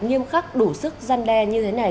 nghiêm khắc đủ sức gian đe như thế này